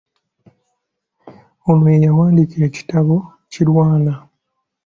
Ono ye yawandiika ekitabo Kirwana.